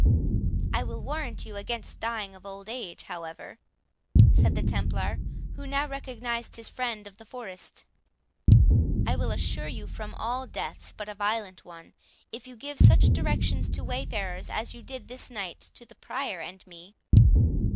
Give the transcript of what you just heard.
"I will warrant you against dying of old age, however," said the Templar, who now recognised his friend of the forest; "I will assure you from all deaths but a violent one, if you give such directions to wayfarers, as you did this night to the Prior and me."